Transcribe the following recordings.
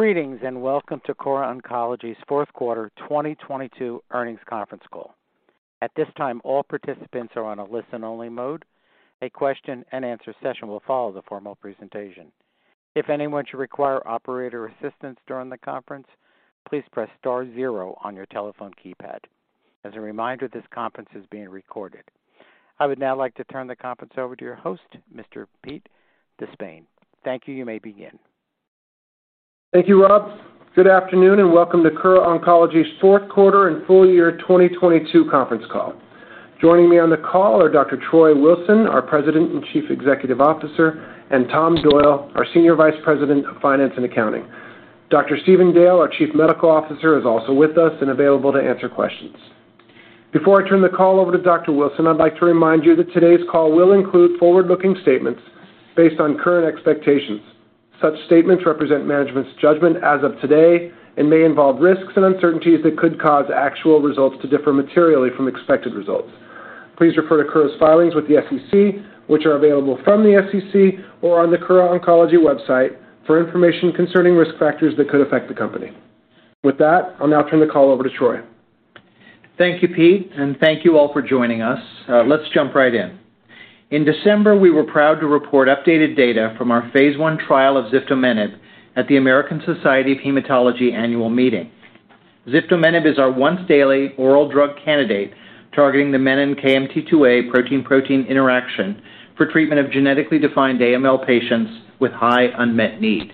Greetings, and welcome to Kura Oncology's fourth quarter 2022 earnings conference call. At this time, all participants are on a listen-only mode. A question-and-answer session will follow the formal presentation. If anyone should require operator assistance during the conference, please press star zero on your telephone keypad. As a reminder, this conference is being recorded. I would now like to turn the conference over to your host, Mr. Pete DeSpain. Thank you. You may begin. Thank you, Rob. Good afternoon, welcome to Kura Oncology's fourth quarter and full year 2022 conference call. Joining me on the call are Dr. Troy Wilson, our President and Chief Executive Officer, and Tom Doyle, our Senior Vice President of Finance and Accounting. Dr. Stephen Dale, our Chief Medical Officer, is also with us and available to answer questions. Before I turn the call over to Dr. Wilson, I'd like to remind you that today's call will include forward-looking statements based on current expectations. Such statements represent management's judgment as of today and may involve risks and uncertainties that could cause actual results to differ materially from expected results. Please refer to Kura's filings with the SEC, which are available from the SEC or on the Kura Oncology website for information concerning risk factors that could affect the company. With that, I'll now turn the call over to Troy. Thank you, Pete, and thank you all for joining us. Let's jump right in. In December, we were proud to report updated data from our phase I trial of ziftomenib at the American Society of Hematology annual meeting. Ziftomenib is our once daily oral drug candidate targeting the menin-KMT2A protein-protein interaction for treatment of genetically defined AML patients with high unmet need.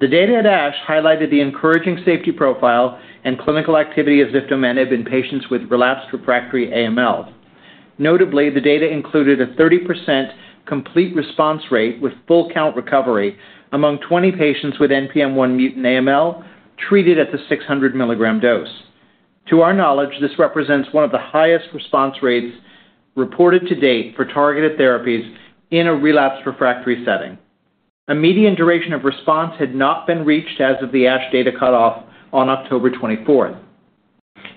The data at ASH highlighted the encouraging safety profile and clinical activity of ziftomenib in patients with relapsed refractory AML. Notably, the data included a 30% complete response rate with full count recovery among 20 patients with NPM1-mutant AML treated at the 600 milligram dose. To our knowledge, this represents one of the highest response rates reported to date for targeted therapies in a relapsed refractory setting. A median duration of response had not been reached as of the ASH data cutoff on October 24th.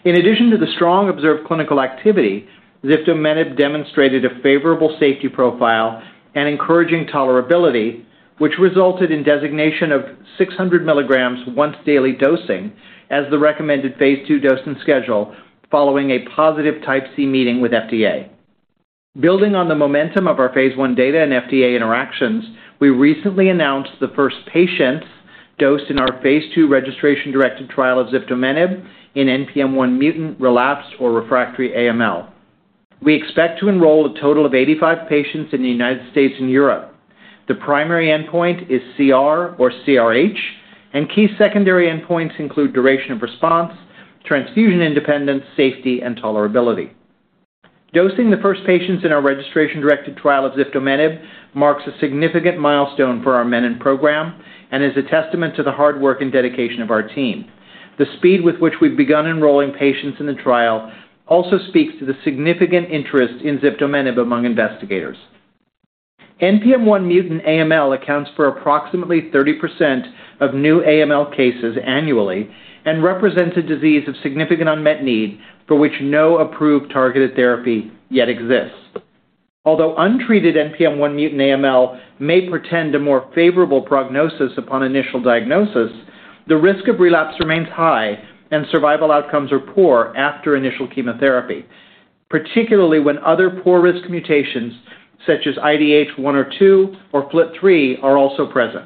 In addition to the strong observed clinical activity, ziftomenib demonstrated a favorable safety profile and encouraging tolerability, which resulted in designation of 600 mg once daily dosing as the recommended phase II dose and schedule following a positive Type C meeting with FDA. Building on the momentum of our phase I data and FDA interactions, we recently announced the first patients dosed in our phase II registration-directed trial of ziftomenib in NPM1-mutant relapsed or refractory AML. We expect to enroll a total of 85 patients in the United States and Europe. The primary endpoint is CR or CRH, and key secondary endpoints include duration of response, transfusion independence, safety, and tolerability. Dosing the first patients in our registration-directed trial of ziftomenib marks a significant milestone for our menin program and is a testament to the hard work and dedication of our team. The speed with which we've begun enrolling patients in the trial also speaks to the significant interest in ziftomenib among investigators. NPM1-mutant AML accounts for approximately 30% of new AML cases annually and represents a disease of significant unmet need for which no approved targeted therapy yet exists. Although untreated NPM1-mutant AML may pretend a more favorable prognosis upon initial diagnosis, the risk of relapse remains high and survival outcomes are poor after initial chemotherapy, particularly when other poor risk mutations such as IDH1 or 2 or FLT3 are also present.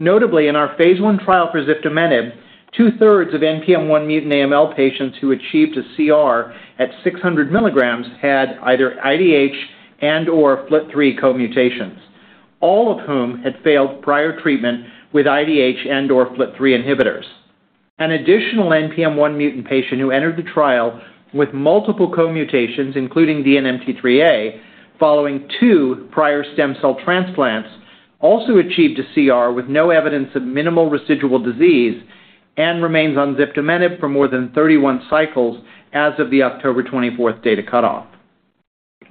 Notably, in our phase I trial for ziftomenib, two-thirds of NPM1 mutant AML patients who achieved a CR at 600 mg had either IDH and/or FLT3 co-mutations, all of whom had failed prior treatment with IDH and/or FLT3 inhibitors. An additional NPM1 mutant patient who entered the trial with multiple co-mutations, including DNMT3A following two prior stem cell transplants, also achieved a CR with no evidence of minimal residual disease and remains on ziftomenib for more than 31 cycles as of the October 24th data cutoff.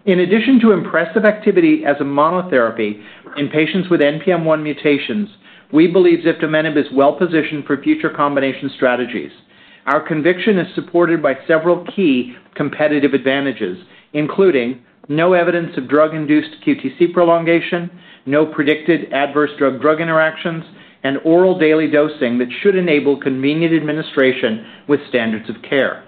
In addition to impressive activity as a monotherapy in patients with NPM1 mutations, we believe ziftomenib is well-positioned for future combination strategies. Our conviction is supported by several key competitive advantages, including no evidence of drug-induced QTc prolongation, no predicted adverse drug-drug interactions, and oral daily dosing that should enable convenient administration with standards of care.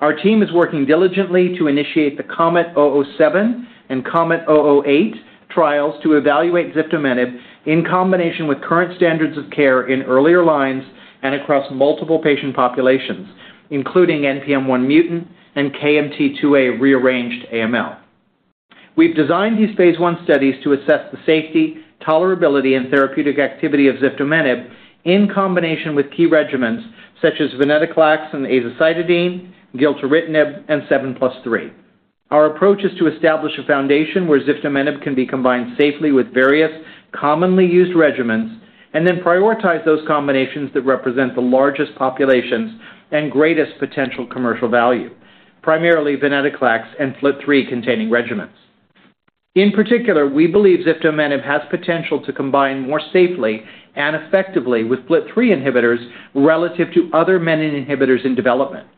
Our team is working diligently to initiate the KOMET-007 and KOMET-008 trials to evaluate ziftomenib in combination with current standards of care in earlier lines and across multiple patient populations, including NPM1-mutant and KMT2A-rearranged AML. We've designed these phase I studies to assess the safety, tolerability, and therapeutic activity of ziftomenib in combination with key regimens such as venetoclax and azacitidine, gilteritinib, and 7+3. Our approach is to establish a foundation where ziftomenib can be combined safely with various commonly used regimens and then prioritize those combinations that represent the largest populations and greatest potential commercial value, primarily venetoclax and FLT3-containing regimens. In particular, we believe ziftomenib has potential to combine more safely and effectively with FLT3 inhibitors relative to other menin inhibitors in development.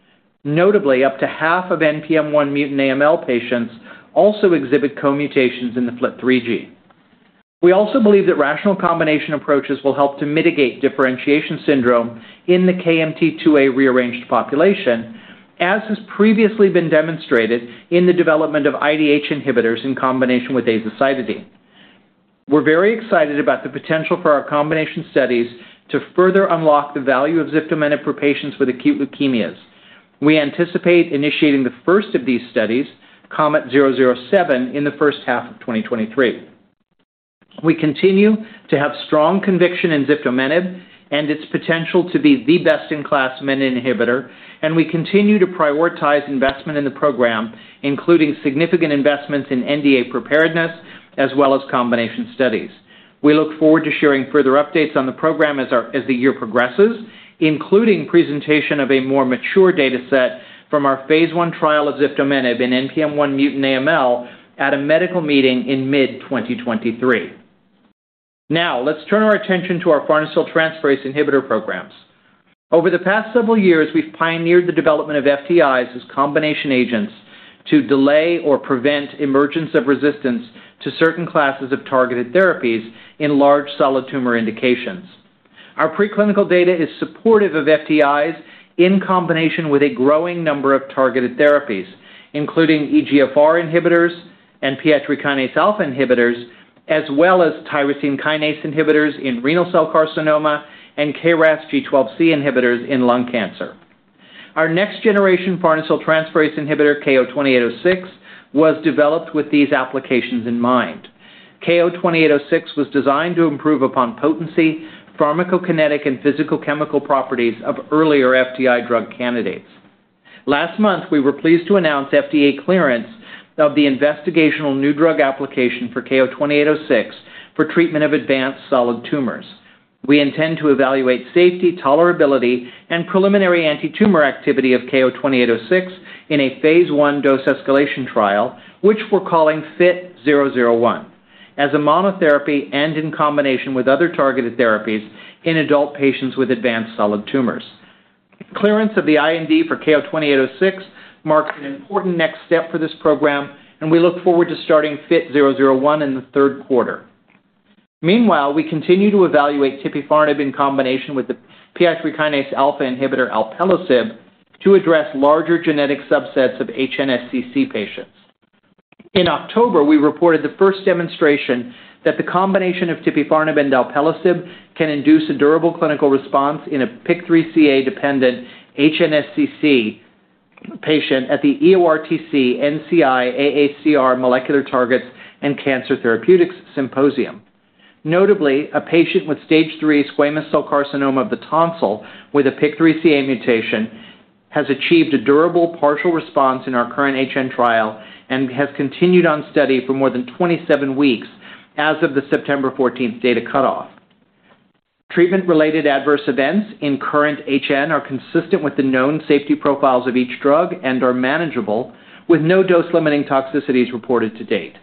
Notably, up to half of NPM1-mutant AML patients also exhibit co-mutations in the FLT3 gene. We also believe that rational combination approaches will help to mitigate differentiation syndrome in the KMT2A rearranged population, as has previously been demonstrated in the development of IDH inhibitors in combination with azacitidine. We're very excited about the potential for our combination studies to further unlock the value of ziftomenib for patients with acute leukemias. We anticipate initiating the first of these studies, KOMET-007, in the first half of 2023. We continue to have strong conviction in ziftomenib and its potential to be the best-in-class Menin inhibitor, and we continue to prioritize investment in the program, including significant investments in NDA preparedness as well as combination studies. We look forward to sharing further updates on the program as the year progresses, including presentation of a more mature dataset from our phase I trial of ziftomenib in NPM1 mutant AML at a medical meeting in mid-2023. Let's turn our attention to our farnesyltransferase inhibitor programs. Over the past several years, we've pioneered the development of FTIs as combination agents to delay or prevent emergence of resistance to certain classes of targeted therapies in large solid tumor indications. Our preclinical data is supportive of FTIs in combination with a growing number of targeted therapies, including EGFR inhibitors and PI3 kinase alpha inhibitors, as well as tyrosine kinase inhibitors in renal cell carcinoma and KRASG12C inhibitors in lung cancer. Our next-generation farnesyltransferase inhibitor, KO-2806, was developed with these applications in mind. KO-2806 was designed to improve upon potency, pharmacokinetic, and physicochemical properties of earlier FTI drug candidates. Last month, we were pleased to announce FDA clearance of the investigational new drug application for KO-2806 for treatment of advanced solid tumors. We intend to evaluate safety, tolerability, and preliminary antitumor activity of KO-2806 in a phase I dose escalation trial, which we're calling FIT-001, as a monotherapy and in combination with other targeted therapies in adult patients with advanced solid tumors. Clearance of the IND for KO-2806 marks an important next step for this program, and we look forward to starting FIT-001 in the third quarter. Meanwhile, we continue to evaluate tipifarnib in combination with the PI3 kinase alpha inhibitor alpelisib to address larger genetic subsets of HNSCC patients. In October, we reported the first demonstration that the combination of tipifarnib and alpelisib can induce a durable clinical response in a PIK3CA-dependent HNSCC patient at the EORTC-NCI-AACR Molecular Targets and Cancer Therapeutics Symposium. Notably, a patient with stage three squamous cell carcinoma of the tonsil with a PIK3CA mutation has achieved a durable partial response in our KURRENT-HN trial and has continued on study for more than 27 weeks as of the September 14th data cutoff. Treatment-related adverse events in KURRENT-HN are consistent with the known safety profiles of each drug and are manageable, with no dose-limiting toxicities reported to date.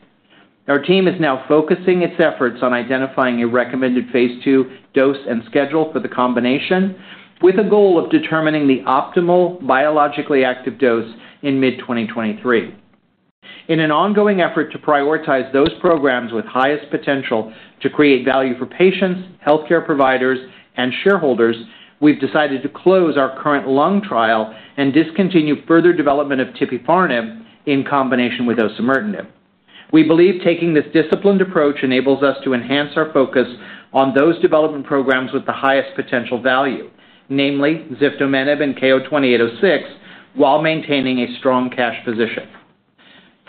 Our team is now focusing its efforts on identifying a recommended phase II dose and schedule for the combination, with a goal of determining the optimal biologically active dose in mid-2023. In an ongoing effort to prioritize those programs with highest potential to create value for patients, healthcare providers, and shareholders, we've decided to close our current lung trial and discontinue further development of tipifarnib in combination with osimertinib. We believe taking this disciplined approach enables us to enhance our focus on those development programs with the highest potential value, namely ziftomenib and KO-2806, while maintaining a strong cash position.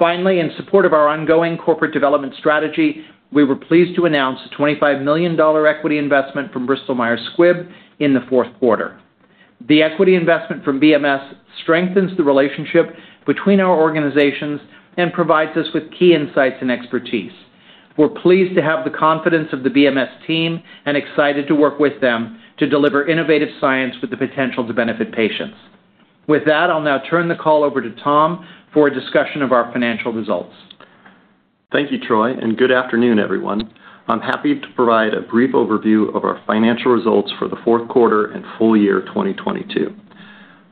In support of our ongoing corporate development strategy, we were pleased to announce a $25 million equity investment from Bristol Myers Squibb in the fourth quarter. The equity investment from BMS strengthens the relationship between our organizations and provides us with key insights and expertise. We're pleased to have the confidence of the BMS team and excited to work with them to deliver innovative science with the potential to benefit patients. With that, I'll now turn the call over to Tom for a discussion of our financial results. Thank you, Troy, good afternoon, everyone. I'm happy to provide a brief overview of our financial results for the fourth quarter and full year 2022.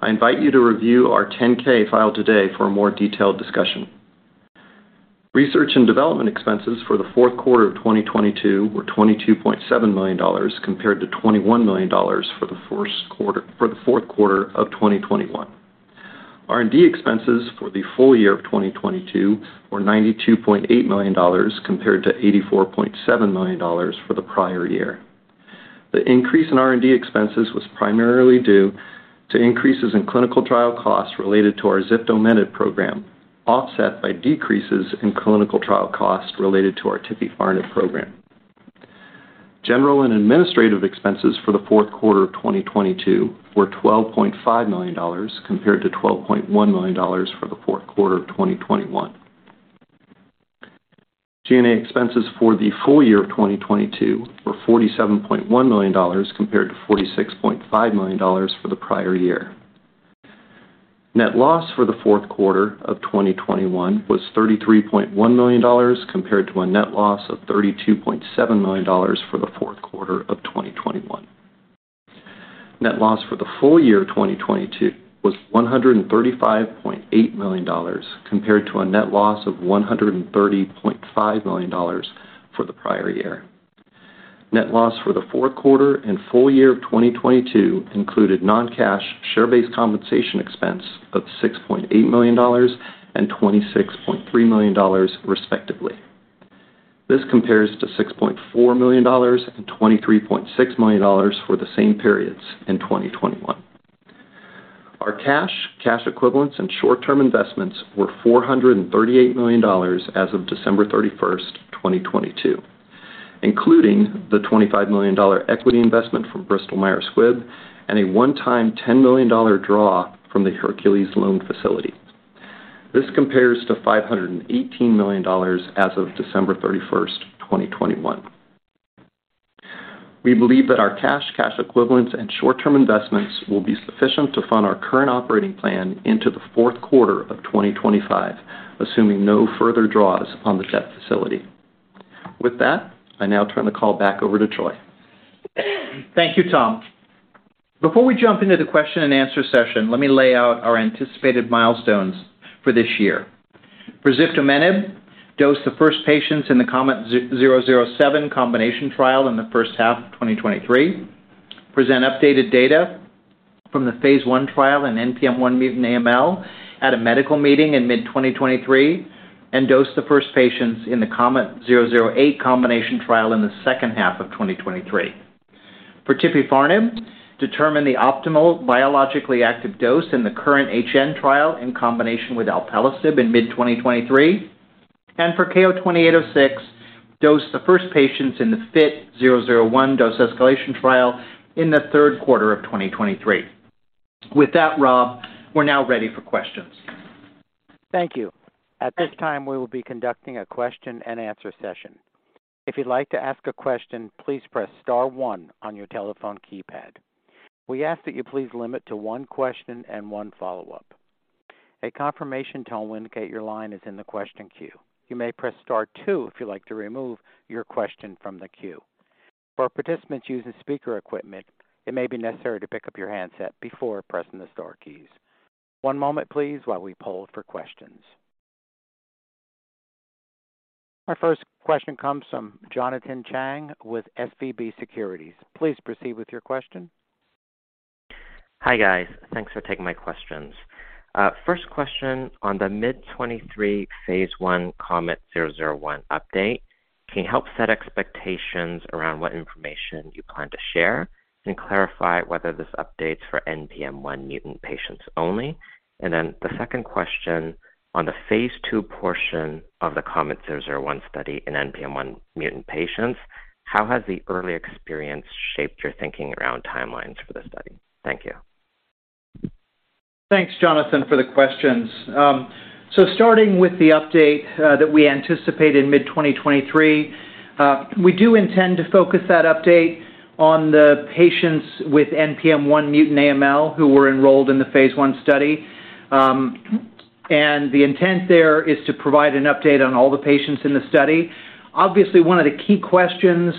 I invite you to review our 10-K file today for a more detailed discussion. Research and development expenses for the fourth quarter of 2022 were $22.7 million compared to $21 million for the fourth quarter of 2021. R&D expenses for the full year of 2022 were $92.8 million compared to $84.7 million for the prior year. The increase in R&D expenses was primarily due to increases in clinical trial costs related to our ziftomenib program, offset by decreases in clinical trial costs related to our tipifarnib program. General and administrative expenses for the fourth quarter of 2022 were $12.5 million compared to $12.1 million for the fourth quarter of 2021. G&A expenses for the full year of 2022 were $47.1 million compared to $46.5 million for the prior year. Net loss for the fourth quarter of 2021 was $33.1 million compared to a net loss of $32.7 million for the fourth quarter of 2021. Net loss for the full year 2022 was $135.8 million compared to a net loss of $130.5 million for the prior year. Net loss for the fourth quarter and full year of 2022 included non-cash share-based compensation expense of $6.8 million and $26.3 million, respectively. This compares to $6.4 million and $23.6 million for the same periods in 2021. Our cash equivalents, and short-term investments were $438 million as of December 31, 2022, including the $25 million equity investment from Bristol Myers Squibb and a one-time $10 million draw from the Hercules loan facility. This compares to $518 million as of December 31, 2021. We believe that our cash equivalents, and short-term investments will be sufficient to fund our current operating plan into the fourth quarter of 2025, assuming no further draws on the debt facility. With that, I now turn the call back over to Troy. Thank you, Tom. Before we jump into the question-and-answer session, let me lay out our anticipated milestones for this year. For ziftomenib, dose the first patients in the KOMET-007 combination trial in the first half of 2023. Present updated data from the phase I trial in NPM1-mutant AML at a medical meeting in mid-2023. Dose the first patients in the KOMET-008 combination trial in the second half of 2023. For tipifarnib, determine the optimal biologically active dose in the KURRENT-HN trial in combination with alpelisib in mid-2023. For KO-2806, dose the first patients in the FIT-001 dose-escalation trial in the third quarter of 2023. With that, Rob, we're now ready for questions. Thank you. At this time, we will be conducting a question-and-answer session. If you'd like to ask a question, please press star one on your telephone keypad. We ask that you please limit to one question and one follow-up. A confirmation tone will indicate your line is in the question queue. You may press star two if you'd like to remove your question from the queue. For participants using speaker equipment, it may be necessary to pick up your handset before pressing the star keys. One moment, please, while we poll for questions. Our first question comes from Jonathan Chang with SVB Securities. Please proceed with your question. Hi, guys. Thanks for taking my questions. First question on the mid-2023 phase I KOMET-001 update, can you help set expectations around what information you plan to share? Clarify whether this updates for NPM1 mutant patients only. The second question on the phase II portion of the KOMET-001 study in NPM1 mutant patients, how has the early experience shaped your thinking around timelines for the study? Thank you. Thanks, Jonathan, for the questions. Starting with the update that we anticipate in mid-2023, we do intend to focus that update on the patients with NPM1-mutant AML who were enrolled in the phase I study. The intent there is to provide an update on all the patients in the study. Obviously, one of the key questions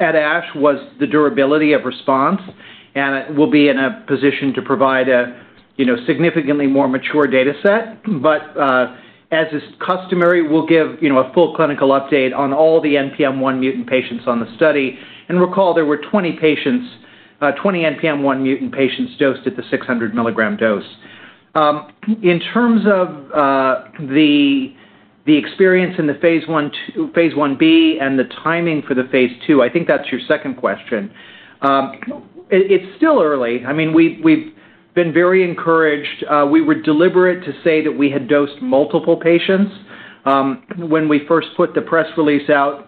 at ASH was the durability of response, and we'll be in a position to provide a, you know, significantly more mature dataset. As is customary, we'll give, you know, a full clinical update on all the NPM1-mutant patients on the study. Recall, there were 20 patients, 20 NPM1-mutant patients dosed at the 600 milligram dose. In terms of the experience in the phase Ib and the timing for the phase II, I think that's your second question. It's still early. I mean, we've been very encouraged. We were deliberate to say that we had dosed multiple patients when we first put the press release out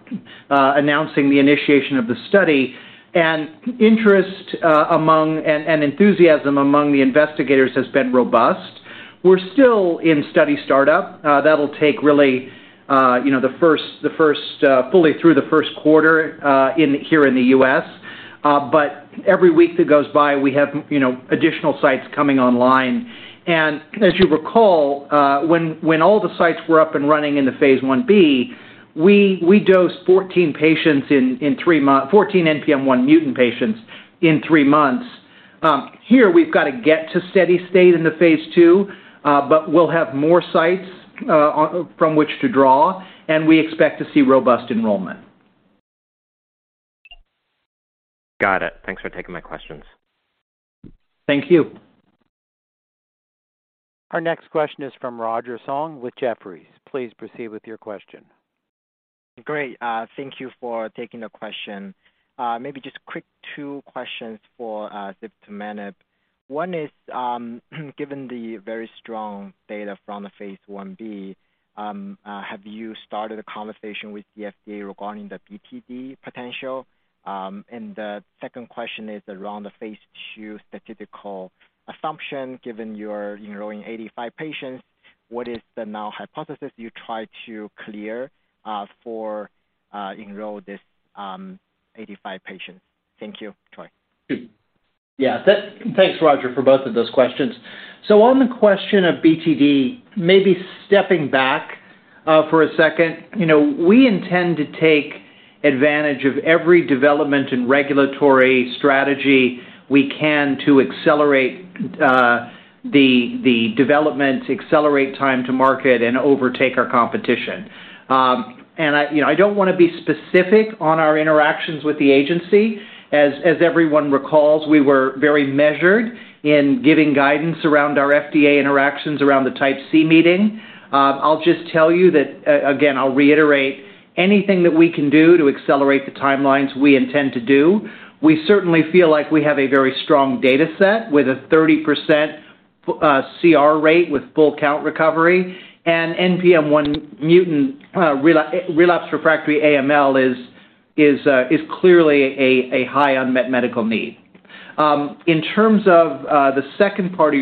announcing the initiation of the study. Interest among and enthusiasm among the investigators has been robust. We're still in study startup. That'll take really, you know, the first fully through the first quarter here in the U.S. Every week that goes by, we have, you know, additional sites coming online. As you recall, all the sites were up and running in the phase Ib, we dosed 14 NPM1-mutant patients in three months. Here we've got to get to steady state in the phase II, we'll have more sites from which to draw, and we expect to see robust enrollment. Got it. Thanks for taking my questions. Thank you. Our next question is from Roger Song with Jefferies. Please proceed with your question. Great. Thank you for taking the question. Maybe just quick two questions for ziftomenib. One is, given the very strong data from the phase Ib, have you started a conversation with the FDA regarding the BTD potential? The second question is around the phase II statistical assumption. Given you're enrolling 85 patients, what is the null hypothesis you try to clear for enroll this 85 patients? Thank you, Troy. Yeah. Thanks, Roger, for both of those questions. On the question of BTD, maybe stepping back for a second. You know, we intend to take advantage of every development and regulatory strategy we can to accelerate the development, accelerate time to market, and overtake our competition. And I, you know, I don't wanna be specific on our interactions with the agency. As everyone recalls, we were very measured in giving guidance around our FDA interactions around the Type C meeting. I'll just tell you that, again, I'll reiterate anything that we can do to accelerate the timelines we intend to do. We certainly feel like we have a very strong data set with a 30% CR rate with full count recovery, and NPM1-mutant relapse refractory AML is clearly a high unmet medical need. In terms of the second part of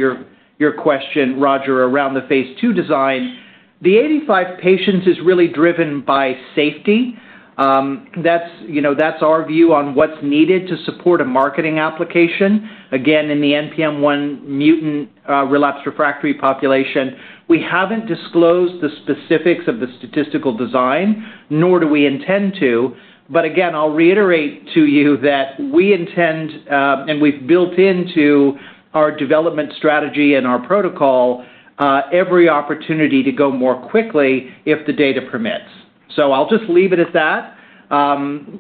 your question, Roger, around the phase II design, the 85 patients is really driven by safety. That's, you know, that's our view on what's needed to support a marketing application. Again, in the NPM1 mutant, relapsed refractory population, we haven't disclosed the specifics of the statistical design, nor do we intend to. Again, I'll reiterate to you that we intend, and we've built into our development strategy and our protocol, every opportunity to go more quickly if the data permits. I'll just leave it at that.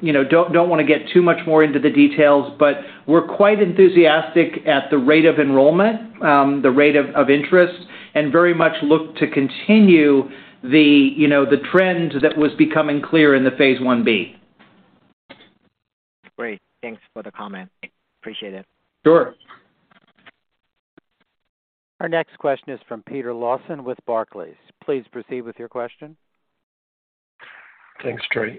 You know, don't wanna get too much more into the details, but we're quite enthusiastic at the rate of enrollment, the rate of interest, and very much look to continue the, you know, the trend that was becoming clear in the phase Ib. Great. Thanks for the comment. Appreciate it. Sure. Our next question is from Peter Lawson with Barclays. Please proceed with your question. Thanks, Troy.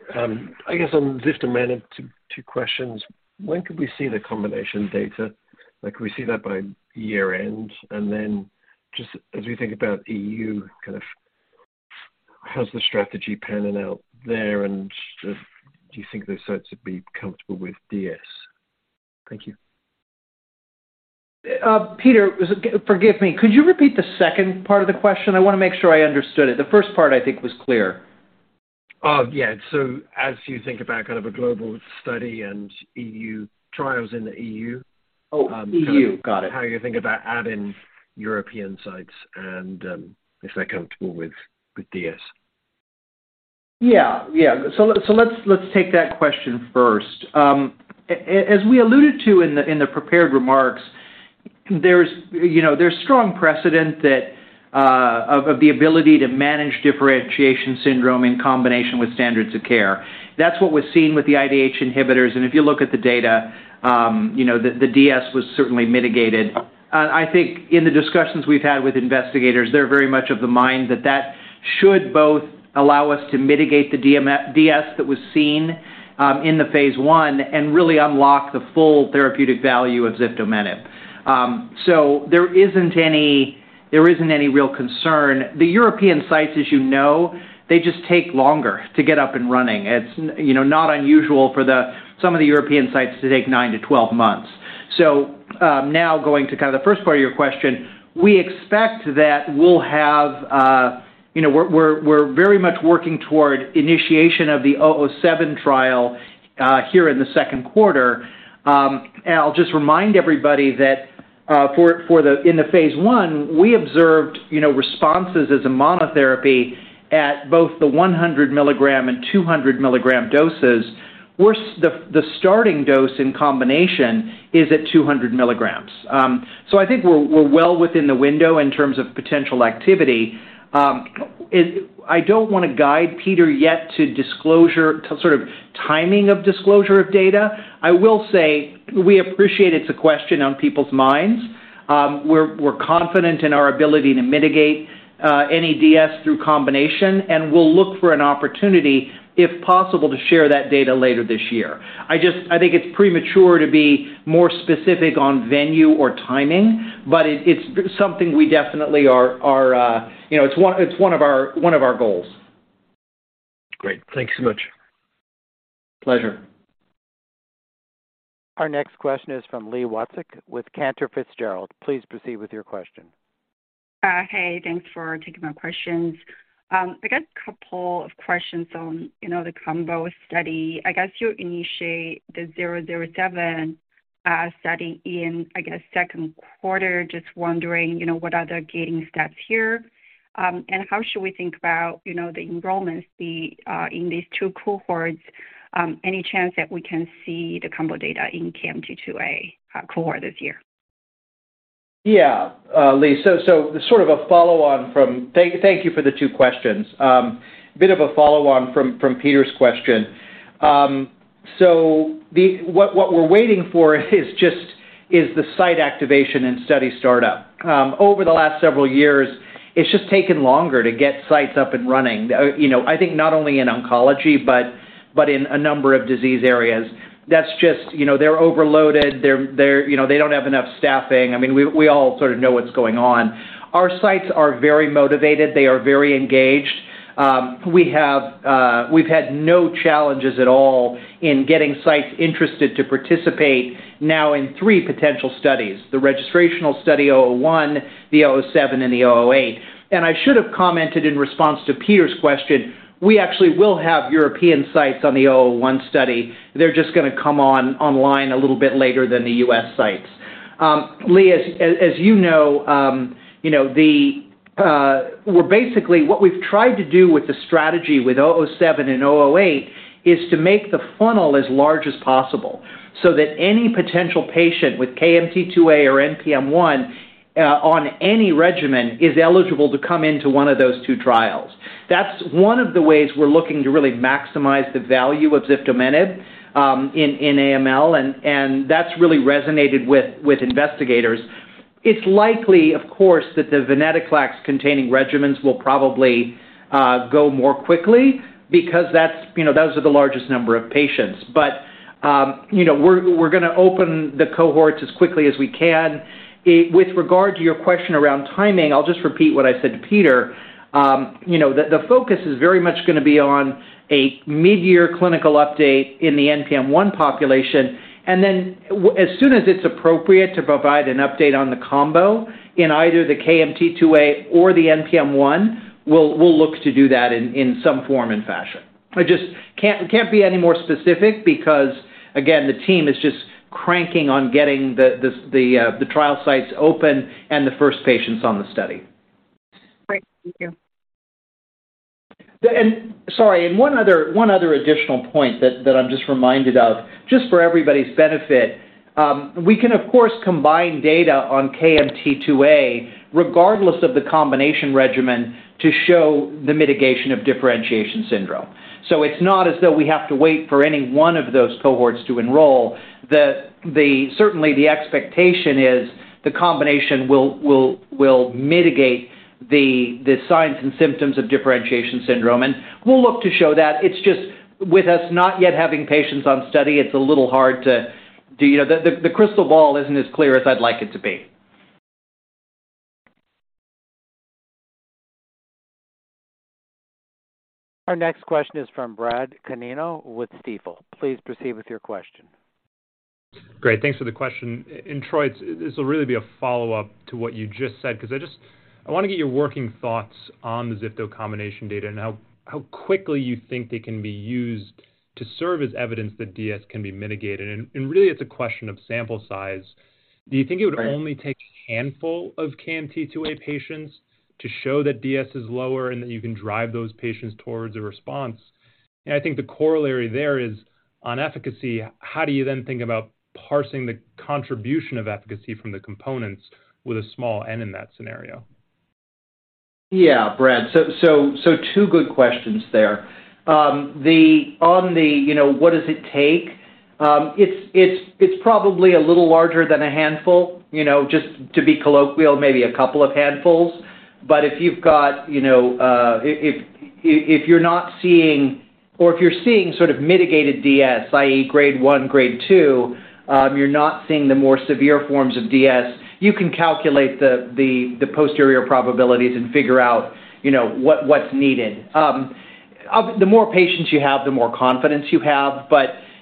I guess on ziftomenib, two questions. When could we see the combination data? Like, could we see that by year end? Just as we think about EU, kind of how's the strategy panning out there, and just do you think those sites would be comfortable with DS? Thank you. Peter, forgive me. Could you repeat the second part of the question? I wanna make sure I understood it. The first part I think was clear. Yeah. As you think about kind of a global study and EU, trials in the EU... Oh, EU. Got it. How you think about adding European sites and if they're comfortable with DS. Yeah. Yeah. Let's take that question first. As we alluded to in the prepared remarks, there's, you know, strong precedent that of the ability to manage differentiation syndrome in combination with standards of care. That's what was seen with the IDH inhibitors. If you look at the data, you know, the DS was certainly mitigated. I think in the discussions we've had with investigators, they're very much of the mind that that should both allow us to mitigate the DS that was seen in the phase I and really unlock the full therapeutic value of ziftomenib. There isn't any real concern. The European sites, as you know, they just take longer to get up and running. It's, you know, not unusual for some of the European sites to take 9-12 months. Now going to kind of the first part of your question, we expect that we're very much working toward initiation of the KOMET-007 trial here in the second quarter. I'll just remind everybody that in the phase I, we observed, you know, responses as a monotherapy at both the 100 mg and 200 mg doses, where the starting dose in combination is at 200 mg. I think we're well within the window in terms of potential activity. I don't wanna guide Peter yet to disclosure to sort of timing of disclosure of data. I will say we appreciate it's a question on people's minds. We're confident in our ability to mitigate any DS through combination, and we'll look for an opportunity, if possible, to share that data later this year. I think it's premature to be more specific on venue or timing, but it's something we definitely are, you know, it's one of our goals. Great. Thank you so much. Pleasure. Our next question is from Li Watsek with Cantor Fitzgerald. Please proceed with your question. Hey, thanks for taking my questions. I got a couple of questions on, you know, the combo study. I guess you initiate the 007 study in, I guess, second quarter. Just wondering, you know, what are the gating steps here, and how should we think about, you know, the enrollments, the in these two cohorts? Any chance that we can see the combo data in KMT2A cohort this year? Li, so sort of a follow on from... Thank you for the two questions. Bit of a follow up from Peter's question. What we're waiting for is the site activation and study startup. Over the last several years, it's just taken longer to get sites up and running. You know, I think not only in oncology but in a number of disease areas. That's just, you know, they're overloaded. They're, you know, they don't have enough staffing. I mean, we all sort of know what's going on. Our sites are very motivated. They are very engaged. We have, we've had no challenges at all in getting sites interested to participate now in 3 potential studies, the registrational study O01, the O07, and the O08. I should have commented in response to Peter's question, we actually will have European sites on the O01 study. They're just gonna come online a little bit later than the U.S. sites. Lee, as you know, What we've tried to do with the strategy with O07 and O08 is to make the funnel as large as possible so that any potential patient with KMT2A or NPM1 on any regimen is eligible to come into one of those two trials. That's one of the ways we're looking to really maximize the value of ziftomenib in AML, and that's really resonated with investigators. It's likely, of course, that the venetoclax containing regimens will probably go more quickly because that's, you know, those are the largest number of patients. You know, we're gonna open the cohorts as quickly as we can. With regard to your question around timing, I'll just repeat what I said to Peter. You know, the focus is very much gonna be on a mid-year clinical update in the NPM1 population. As soon as it's appropriate to provide an update on the combo in either the KMT2A or the NPM1, we'll look to do that in some form and fashion. I just can't be any more specific because, again, the team is just cranking on getting the trial sites open and the first patients on the study. Great. Thank you. Sorry, and one other, one other additional point that I'm just reminded of, just for everybody's benefit, we can, of course, combine data on KMT2A regardless of the combination regimen to show the mitigation of differentiation syndrome. It's not as though we have to wait for any one of those cohorts to enroll. Certainly, the expectation is the combination will mitigate the signs and symptoms of differentiation syndrome, and we'll look to show that. It's just with us not yet having patients on study, it's a little hard to... You know, the crystal ball isn't as clear as I'd like it to be. Our next question is from Brad Canino with Stifel. Please proceed with your question. Great. Thanks for the question. And Troy, this will really be a follow-up to what you just said 'cause I wanna get your working thoughts on the ziftomenib combination data and how quickly you think they can be used to serve as evidence that DS can be mitigated. Really it's a question of sample size. Do you think it would only take a handful of KMT2A patients to show that DS is lower and that you can drive those patients towards a response? I think the corollary there is on efficacy, how do you then think about parsing the contribution of efficacy from the components with a small N in that scenario? Brad. Two good questions there. On the, you know, what does it take, it's probably a little larger than a handful, you know, just to be colloquial, maybe a couple of handfuls. If you've got, you know, if you're not seeing or if you're seeing sort of mitigated DS, i.e. grade one, grade two, you're not seeing the more severe forms of DS, you can calculate the posterior probabilities and figure out, you know, what's needed. The more patients you have, the more confidence you have.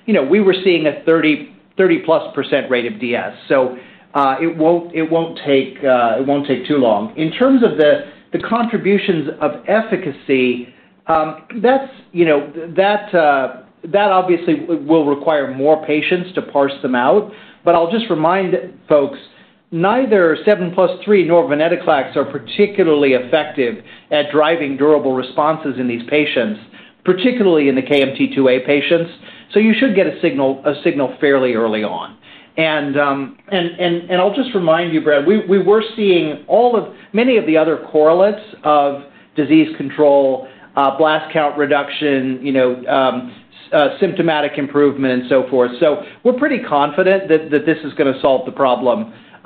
You know, we were seeing a 30%+ rate of DS, it won't take too long. In terms of the contributions of efficacy, that's, you know, that obviously will require more patients to parse them out. I'll just remind folks, neither 7+3 nor venetoclax are particularly effective at driving durable responses in these patients, particularly in the KMT2A patients, so you should get a signal fairly early on. I'll just remind you, Brad, we were seeing many of the other correlates of disease control, blast count reduction, you know, symptomatic improvement and so forth. We're pretty confident that this is gonna solve the problem. As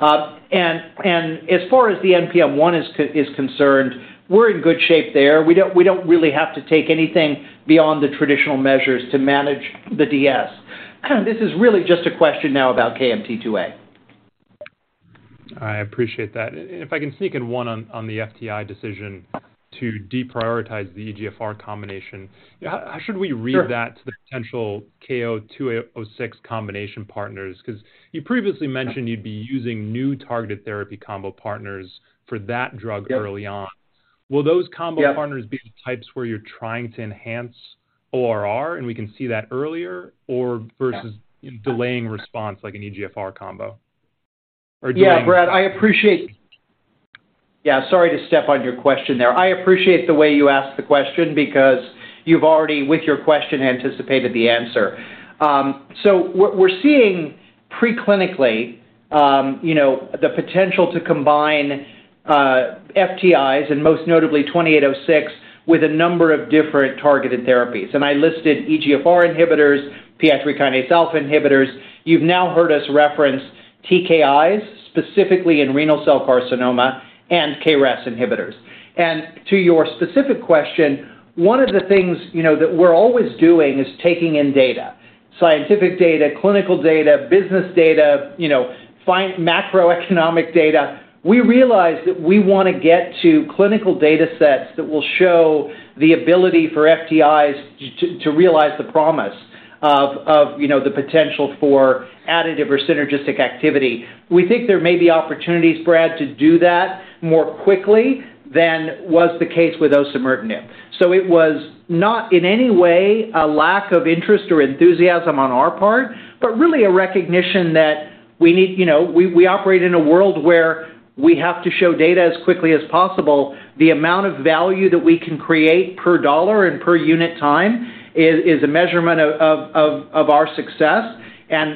far as the NPM1 is concerned, we're in good shape there. We don't, we don't really have to take anything beyond the traditional measures to manage the DS. This is really just a question now about KMT2A. I appreciate that. If I can sneak in one on the FTI decision to deprioritize the EGFR combination. Sure. How should we read that to the potential KO-2806 combination partners? 'Cause you previously mentioned you'd be using new targeted therapy combo partners for that drug early on. Will those combo partners be the types where you're trying to enhance ORR, and we can see that earlier or versus delaying response like an EGFR combo or delaying- Sorry to step on your question there. I appreciate the way you asked the question because you've already, with your question, anticipated the answer. What we're seeing pre-clinically, you know, the potential to combine FTIs, and most notably 2806, with a number of different targeted therapies. I listed EGFR inhibitors, PI3 kinase alpha inhibitors. You've now heard us reference TKIs, specifically in renal cell carcinoma and KRAS inhibitors. To your specific question, one of the things, you know, that we're always doing is taking in data, Scientific data, clinical data, business data, you know, find macroeconomic data. We realized that we wanna get to clinical data sets that will show the ability for FTIs to realize the promise of, you know, the potential for additive or synergistic activity. We think there may be opportunities, Brad, to do that more quickly than was the case with osimertinib. It was not in any way a lack of interest or enthusiasm on our part, but really a recognition that we need... You know, we operate in a world where we have to show data as quickly as possible. The amount of value that we can create per dollar and per unit time is a measurement of our success.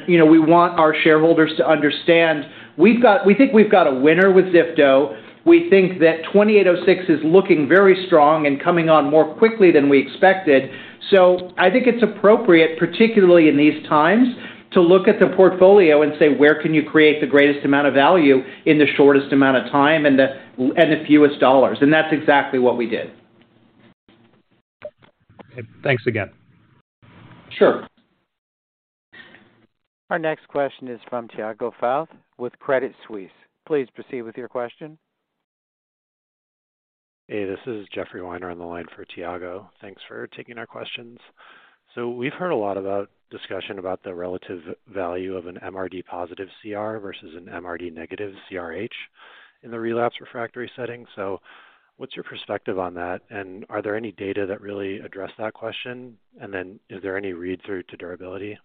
You know, we want our shareholders to understand, we think we've got a winner with ziftomenib. We think that KO-2806 is looking very strong and coming on more quickly than we expected. I think it's appropriate, particularly in these times, to look at the portfolio and say, "Where can you create the greatest amount of value in the shortest amount of time and the fewest dollars?" That's exactly what we did. Thanks again. Sure. Our next question is from Tiago Fauth with Credit Suisse. Please proceed with your question. Hey, this is Jeffrey Weiner on the line for Tiago. Thanks for taking our questions. We've heard a lot about discussion about the relative value of an MRD positive CR versus an MRD negative CRH in the relapse refractory setting. What's your perspective on that? Are there any data that really address that question? Is there any read-through to durability?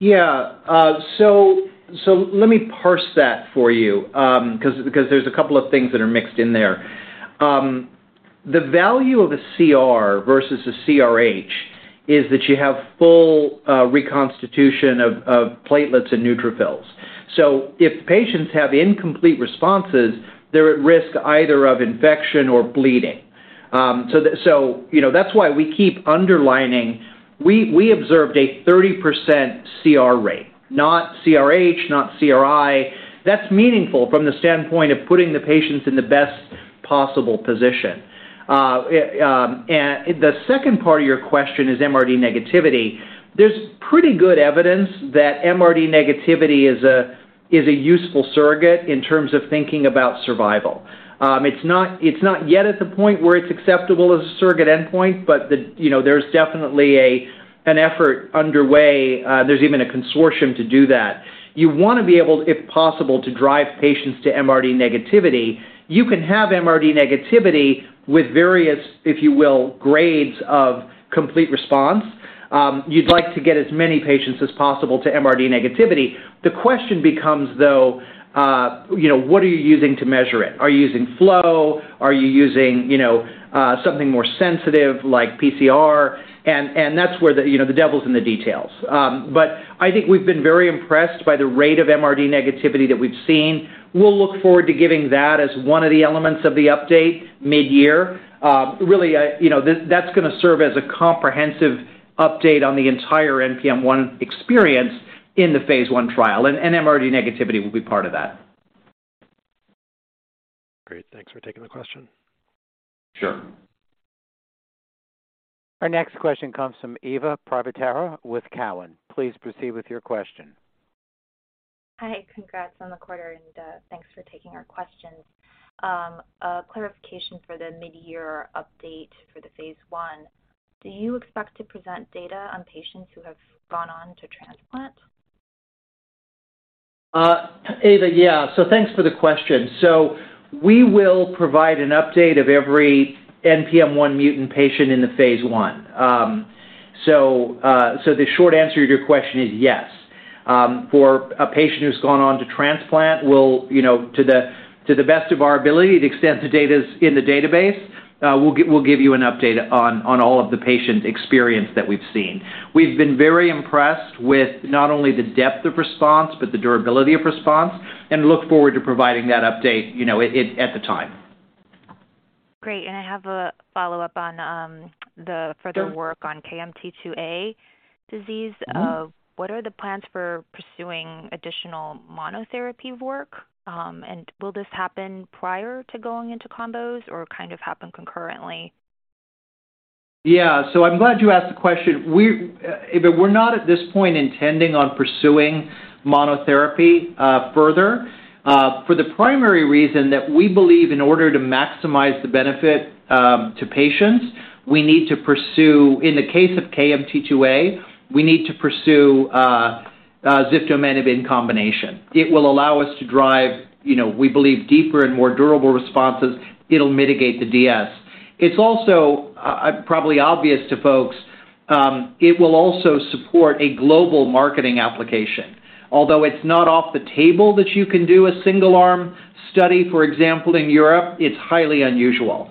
Yeah. Let me parse that for you, 'cause, because there's a couple of things that are mixed in there. The value of a CR versus a CRH is that you have full reconstitution of platelets and neutrophils. If patients have incomplete responses, they're at risk either of infection or bleeding. You know, that's why we keep underlining. We observed a 30% CR rate, not CRH, not CRI. That's meaningful from the standpoint of putting the patients in the best possible position. The second part of your question is MRD negativity. There's pretty good evidence that MRD negativity is a useful surrogate in terms of thinking about survival. It's not yet at the point where it's acceptable as a surrogate endpoint, but. You know, there's definitely a, an effort underway, there's even a consortium to do that. You wanna be able, if possible, to drive patients to MRD negativity. You can have MRD negativity with various, if you will, grades of complete response. You'd like to get as many patients as possible to MRD negativity. The question becomes, though, you know, what are you using to measure it? Are you using flow? Are you using, you know, something more sensitive like PCR? That's where the, you know, the devil's in the details. I think we've been very impressed by the rate of MRD negativity that we've seen. We'll look forward to giving that as one of the elements of the update midyear. Really, you know, that's gonna serve as a comprehensive update on the entire NPM1 experience in the phase I trial, and MRD negativity will be part of that. Great. Thanks for taking the question. Sure. Our next question comes from Eva Privitera with Cowen. Please proceed with your question. Hi. Congrats on the quarter. Thanks for taking our questions. A clarification for the midyear update for the phase I. Do you expect to present data on patients who have gone on to transplant? Eva, yeah. Thanks for the question. We will provide an update of every NPM1 mutant patient in the phase I. The short answer to your question is yes. For a patient who's gone on to transplant, we'll, you know, to the best of our ability to extend the data in the database, we'll give you an update on all of the patient experience that we've seen. We've been very impressed with not only the depth of response, but the durability of response, and look forward to providing that update, you know, at the time. Great. I have a follow-up on the further work on KMT2A disease. What are the plans for pursuing additional monotherapy work? Will this happen prior to going into combos or happen concurrently? I'm glad you asked the question. Eva, we're not at this point intending on pursuing monotherapy further for the primary reason that we believe in order to maximize the benefit to patients, we need to pursue. In the case of KMT2A, we need to pursue ziftomenib in combination. It will allow us to drive, you know, we believe deeper and more durable responses. It'll mitigate the DS. It's also probably obvious to folks, it will also support a global marketing application. Although it's not off the table that you can do a single arm study, for example, in Europe, it's highly unusual.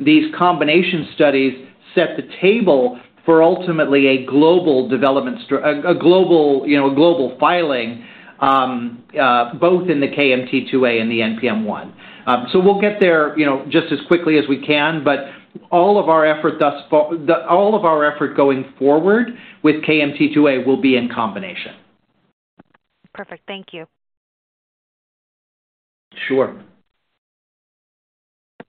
These combination studies set the table for ultimately a global development, a global, you know, a global filing, both in the KMT2A and the NPM1. We'll get there, you know, just as quickly as we can, but all of our effort going forward with KMT2A will be in combination. Perfect. Thank you. Sure.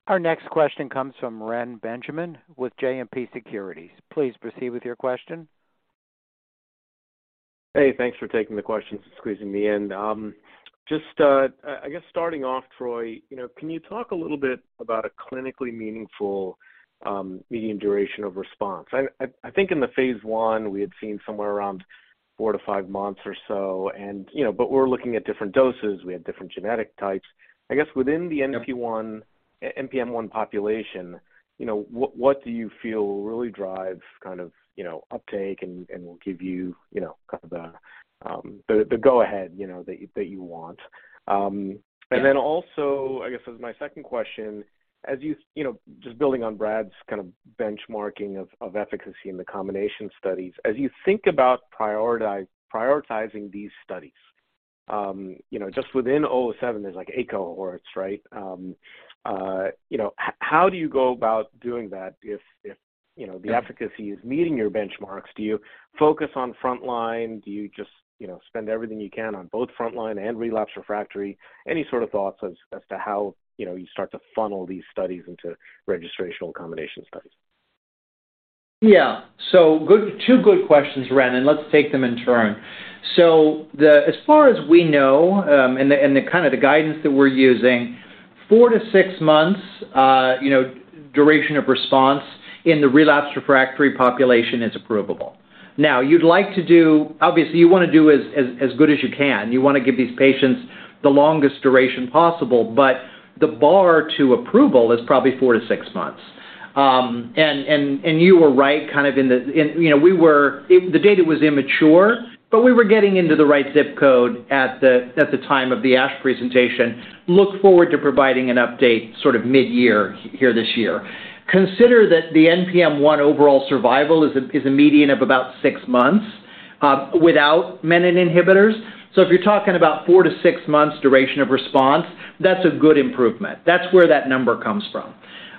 Our next question comes from Reni Benjamin with JMP Securities. Please proceed with your question. Hey, thanks for taking the questions, squeezing me in. I guess starting off, Troy, you know, can you talk a little bit about a clinically meaningful median duration of response? I think in the phase I, we had seen somewhere around 4-5 months or so and, you know, but we're looking at different doses, we had different genetic types. I guess within the NPM1 population, you know, what do you feel really drives kind of, you know, uptake and will give you know, kind of the go ahead, you know, that you, that you want? Yeah. Also, I guess as my second question, as you know, just building on Brad's kind of benchmarking of efficacy in the combination studies, as you think about prioritizing these studies, you know, just within KOMET-007, there's like eight cohorts, right? How do you go about doing that if, you know, the efficacy is meeting your benchmarks? Do you focus on frontline? Do you just, you know, spend everything you can on both frontline and relapse refractory? Any sort of thoughts as to how, you know, you start to funnel these studies into registrational combination studies? Yeah. Two good questions, Reni, and let's take them in turn. As far as we know, and the kind of the guidance that we're using, 4-6 months, you know, duration of response in the relapsed refractory population is approvable. Now, obviously, you wanna do as good as you can. You wanna give these patients the longest duration possible, but the bar to approval is probably 4-6 months. And you were right, kind of in, you know, the data was immature, but we were getting into the right zip code at the time of the ASH presentation. Look forward to providing an update sort of mid-year here this year. Consider that the NPM1 overall survival is a, is a median of about 6 months without menin inhibitors. If you're talking about 4-6 months duration of response, that's a good improvement. That's where that number comes from.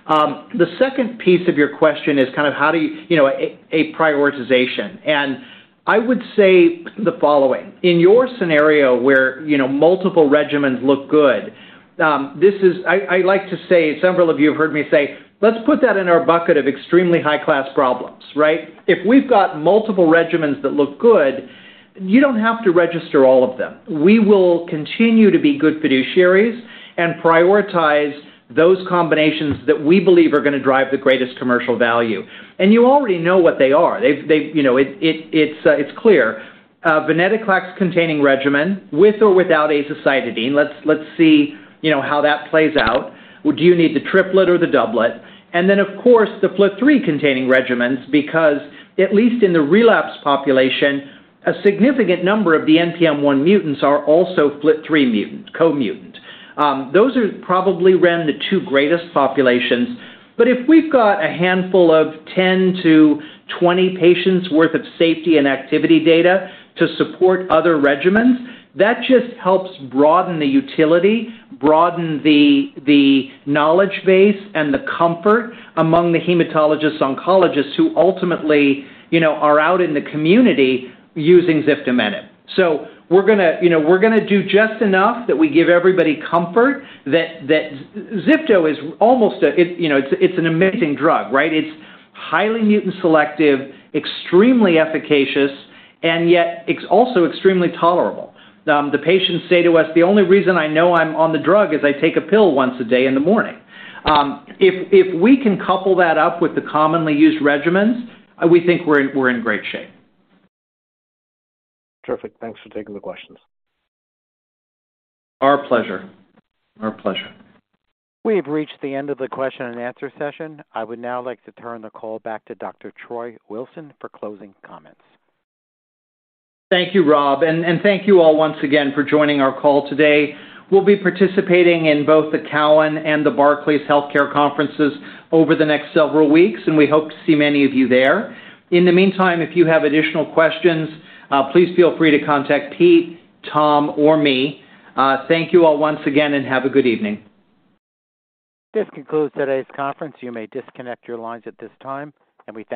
The second piece of your question is kind of how do you know, a prioritization. I would say the following, in your scenario where, you know, multiple regimens look good, I like to say, several of you have heard me say, "Let's put that in our bucket of extremely high-class problems." Right? If we've got multiple regimens that look good, you don't have to register all of them. We will continue to be good fiduciaries and prioritize those combinations that we believe are gonna drive the greatest commercial value. You already know what they are. They've, you know... It's clear. Venetoclax containing regimen with or without azacitidine, let's see, you know, how that plays out. Do you need the triplet or the doublet? Of course, the FLT3-containing regimens because at least in the relapse population, a significant number of the NPM1 mutants are also FLT3 mutant, co-mutant. Those are probably ran the two greatest populations. If we've got a handful of 10-20 patients worth of safety and activity data to support other regimens, that just helps broaden the utility, broaden the knowledge base and the comfort among the hematologist oncologists who ultimately, you know, are out in the community using ziftomenib. We're gonna, you know, do just enough that we give everybody comfort that ziftomenib is almost a you know, it's an amazing drug, right? It's highly mutant selective, extremely efficacious, and yet it's also extremely tolerable. The patients say to us, "The only reason I know I'm on the drug is I take a pill once a day in the morning." If we can couple that up with the commonly used regimens, we think we're in great shape. Terrific. Thanks for taking the questions. Our pleasure. Our pleasure. We have reached the end of the question and answer session. I would now like to turn the call back to Dr. Troy Wilson for closing comments. Thank you, Rob. Thank you all once again for joining our call today. We'll be participating in both the Cowen and the Barclays Healthcare Conferences over the next several weeks, and we hope to see many of you there. In the meantime, if you have additional questions, please feel free to contact Pete, Tom, or me. Thank you all once again, and have a good evening. This concludes today's conference. You may disconnect your lines at this time, and we thank you.